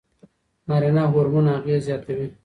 نارینه هورمون اغېز زیاتوي.